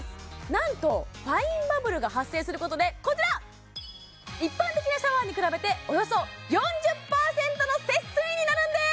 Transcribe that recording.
何とファインバブルが発生することでこちら一般的なシャワーに比べておよそ４０％の節水になるんです